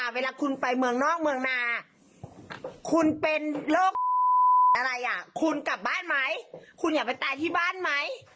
เวลาคุณไปเมืองนอกเมืองนาคุณเป็นโรคอะไรอ่ะคุณกลับบ้านไหมคุณอยากไปตายที่บ้านไหม